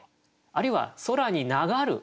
あるいは「空に流る」。